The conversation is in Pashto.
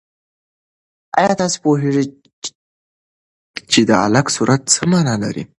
آیا ته پوهېږې چې د علق سورت څه مانا لري؟